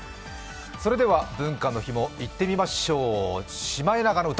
それでは文化の日もいってみましょう、「シマエナガの歌」